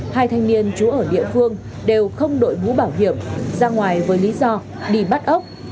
hai thanh niên chú ở địa phương đều không đội mũ bảo hiểm ra ngoài với lý do đi bắt ốc